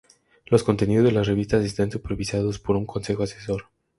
Los contenidos de la revista están supervisados por un Consejo Asesor.